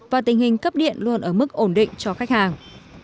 và tình hình cấp điện luôn ở mức ổn định cho khách hàng